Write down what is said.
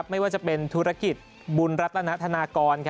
ไม่ว่าจะเป็นธุรกิจบุญรัตนธนากร